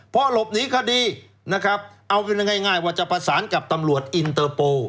เพราะหลบหนีคดีนะครับเอาเป็นง่ายว่าจะประสานกับตำรวจอินเตอร์โปร์